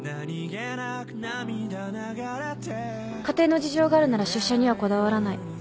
家庭の事情があるなら出社にはこだわらない。